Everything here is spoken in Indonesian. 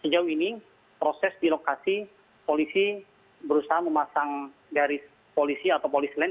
sejauh ini proses di lokasi polisi berusaha memasang garis polisi atau polisi lain